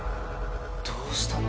どうしたの？